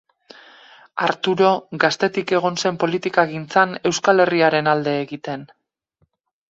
Arturo gaztetik egon zen politikagintzan Euskal Herriaren alde egiten.